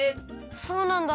そうなんだ。